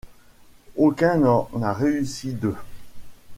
Aucun n'en a réussi deux.